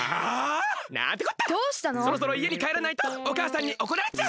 そろそろいえにかえらないとおかあさんにおこられちゃう！